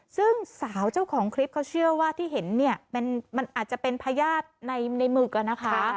ซึ่งสาวเจ้าของคลิปเขาเชื่อว่าที่เห็นเนี่ยมันอาจจะเป็นพญาติในหมึกอะนะคะ